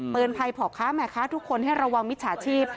ภัยพ่อค้าแม่ค้าทุกคนให้ระวังมิจฉาชีพ